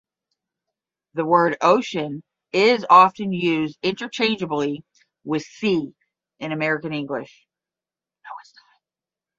The word "ocean" is often used interchangeably with "sea" in American English.